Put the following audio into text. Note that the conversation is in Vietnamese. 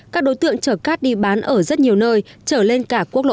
các đối tượng chở cát đi bán ở rất nhiều nơi chở lên cả quốc lộ ba